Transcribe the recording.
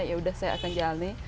ya udah saya akan jalani